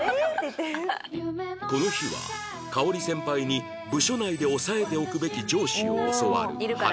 この日は香織先輩に部署内で押さえておくべき上司を教わる花